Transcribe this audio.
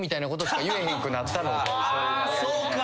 あそうか！